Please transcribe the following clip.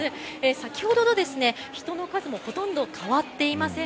先ほどと人の数もほとんど変わっていません。